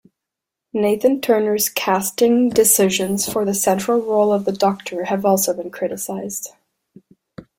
Nathan-Turner's casting decisions for the central role of the Doctor have also been criticised.